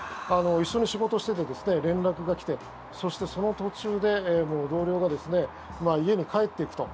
一緒に仕事をしていて連絡が来てそして、その途中でもう同僚が家に帰っていくと。